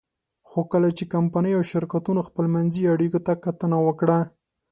خو کله چې کمپنیو او شرکتونو خپلمنځي اړیکو ته کتنه وکړه.